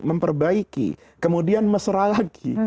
memperbaiki kemudian mesra lagi